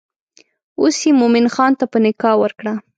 اوس یې مومن خان ته په نکاح ورکړه.